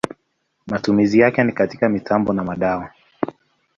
Matumizi yake ni katika mitambo na madawa.